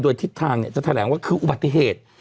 โดยทิศทางจะแถลงว่าคืออุบัติเหตุ